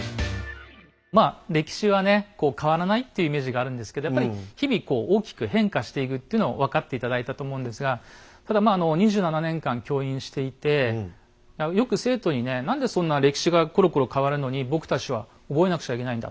まあ歴史はねこう変わらないっていうイメージがあるんですけどやっぱり日々こう大きく変化していくっていうのを分かって頂いたと思うんですがただまああの２７年間教員していてよく生徒にね何でそんな歴史がころころ変わるのに僕たちは覚えなくちゃいけないんだ